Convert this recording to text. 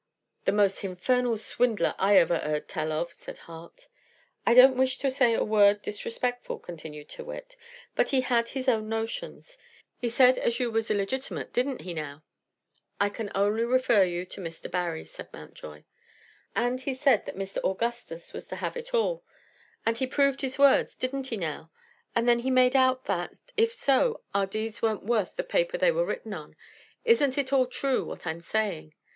"The most hinfernal swindler I ever 'eard tell of!" said Hart. "I don't wish to say a word disrespectful," continued Tyrrwhit, "but he had his own notions. He said as you was illegitimate, didn't he, now?" "I can only refer you to Mr. Barry," said Mountjoy. "And he said that Mr. Augustus was to have it all; and he proved his words, didn't he, now? And then he made out that, if so, our deeds weren't worth the paper they were written on. Isn't it all true what I'm saying?